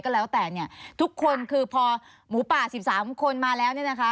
ก็แล้วแต่เนี่ยทุกคนคือพอหมูป่า๑๓คนมาแล้วเนี่ยนะคะ